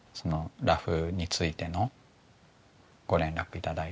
ラフについてのご連絡頂いた時に。